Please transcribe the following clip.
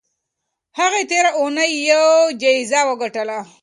هغې تېره اونۍ یوه جایزه وګټله.